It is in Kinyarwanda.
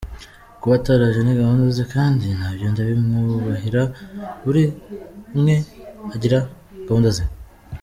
"Kuba ataraje ni gahunda ze kandi nabyo ndabimwubahira, buri umwe agira gahunda ze.